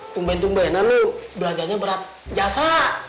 tungguin tungguin aja lu belanjaannya berat jasa